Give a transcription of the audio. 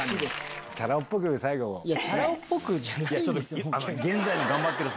チャラ男っぽくじゃないんすよ！